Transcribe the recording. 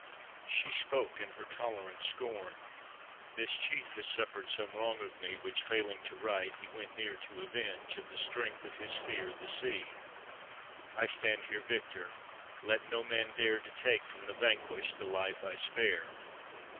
She spoke in her tolerant scorn: "Tbi* chief Has suffered some wrong of me, Which failing to right, 'he went near to avenge In the strength of his fere the sea. I stand here victor: let no man dare To take from the vanquished the life I spare!"